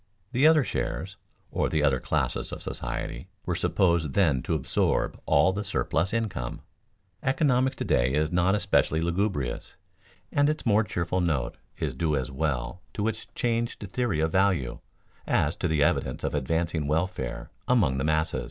The other shares (or the other classes of society) were supposed then to absorb all the surplus income. Economics to day is not especially lugubrious, and its more cheerful note is due as well to its changed theory of value as to the evidence of advancing welfare among the masses.